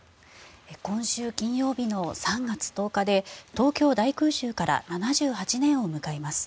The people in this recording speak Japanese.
今週金曜日の３月１０日で東京大空襲から７８年を迎えます。